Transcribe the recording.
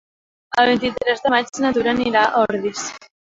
El vint-i-tres de maig na Tura anirà a Ordis.